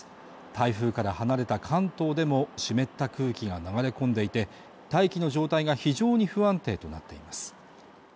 台風から離れた関東でも湿った空気が流れ込んでいて大気の状態が非常に不安定となっています